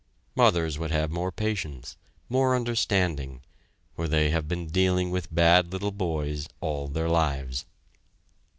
Mothers would have more patience, more understanding, for they have been dealing with bad little boys all their lives.